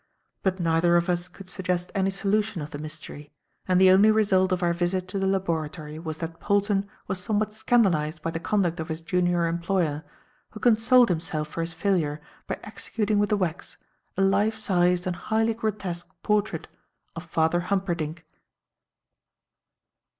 But neither of us could suggest any solution of the mystery; and the only result of our visit to the laboratory was that Polton was somewhat scandalized by the conduct of his junior employer, who consoled himself for his failure by executing with the wax, a life sized and highly grotesque portrait of Father Humperdinck.